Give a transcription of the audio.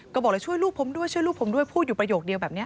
ก็บอกแล้วช่วยลูกผมด้วยช่วยลูกผมด้วยพูดอยู่ประโยคเดียวแบบนี้